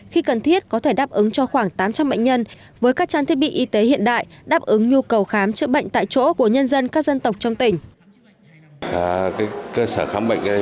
khi cần thiết có thể đáp ứng cho khoảng tám trăm linh bệnh nhân với các trang thiết bị y tế hiện đại đáp ứng nhu cầu khám chữa bệnh tại chỗ của nhân dân các dân tộc trong tỉnh